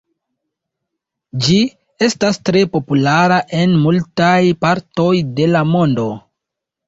Ĝi estas tre populara en multaj partoj de la mondo.